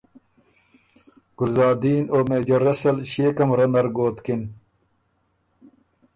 ګلزادین او میجر رسل ݭيې کمرۀ نر ګوتکِن۔